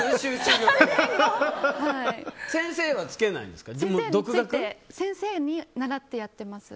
先生はつけないんですか。